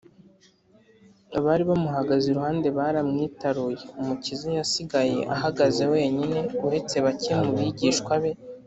abari bamuhagaze iruhande baramwitaruye umukiza yasigaye ahagaze wenyine, uretse bake mu bigishwa be